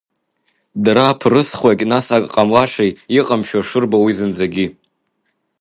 Дара аԥырызхуагь нас ак ҟамлашеи, иҟамшәа шырбо уи зынӡагьы.